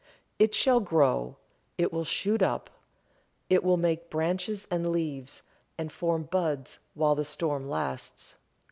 "It shall grow, it will shoot up, it will make branches and leaves, and form buds while the storm lasts.